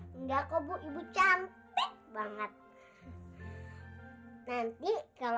kan apa sih satu satu